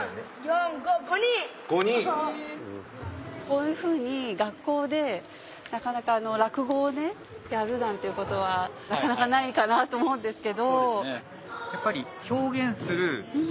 こういうふうに学校でなかなか落語をやるなんてことはないかなと思うんですけど。